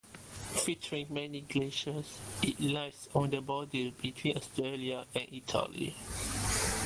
Featuring many glaciers, it lies on the border between Austria and Italy.